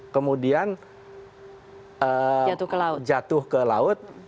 kemudian jatuh ke laut